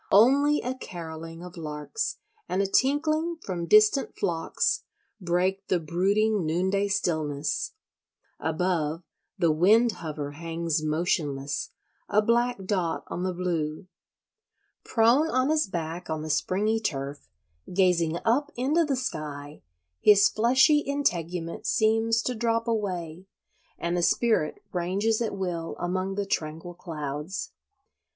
Only a carolling of larks and a tinkling from distant flocks break the brooding noonday stillness; above, the wind hover hangs motionless, a black dot on the blue. Prone on his back on the springy turf, gazing up into the sky, his fleshy integument seems to drop away, and the spirit ranges at will among the tranquil clouds.